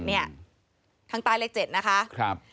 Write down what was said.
นี่ทางตายเลข๗นะคะ